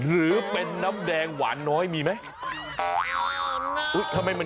หรือเป็นน้ำแดงหวานน้อยมีไหม